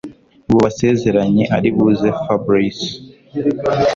bubasezeranye aribuze Fabric